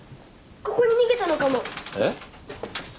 ここに逃げたのかもえっ？